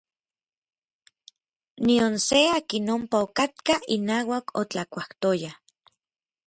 Nion se akin ompa okatkaj inauak otlakuajtoyaj.